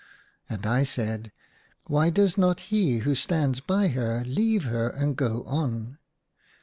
And I said, " Why does not he who stands by her leave her and go on